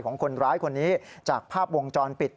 ของคนร้ายคนนี้จากภาพวงจรปิด